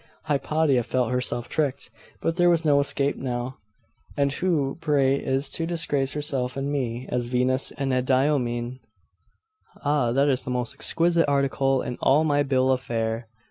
Hypatia felt herself tricked: but there was no escape now. 'And who, pray, is to disgrace herself and me, as Venus Anadyomene?' 'Ah! that is the most exquisite article in all my bill of fare!